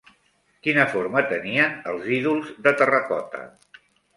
Quina forma tenien els ídols de terracota?